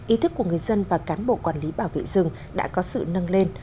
ý thức của người dân và cán bộ quản lý bảo vệ rừng đã có sự nâng lên